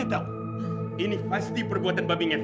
ana tahu ini pasti perbuatan babi ngefek